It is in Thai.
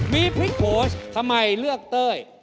มีพริกโพสต์ทำไมเลือกเต้ย